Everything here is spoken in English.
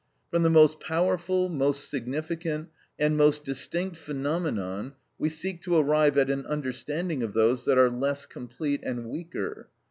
From the most powerful, most significant, and most distinct phenomenon we seek to arrive at an understanding of those that are less complete and weaker.